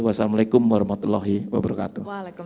wassalamu'alaikum warahmatullahi wabarakatuh